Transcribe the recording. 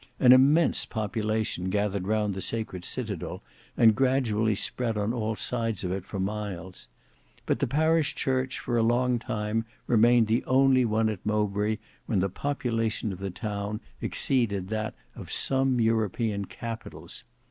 An immense population gathered round the sacred citadel and gradually spread on all sides of it for miles. But the parish church for a long time remained the only one at Mowbray when the population of the town exceeded that of some European capitals.